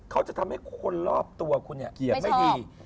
เขาจะทำให้คนรอบตัวคุณเกลียดไม่ดี